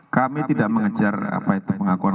kami tidak mengejar apa itu pengakuan